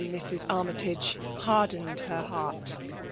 Armytagc hardened Kcr heart.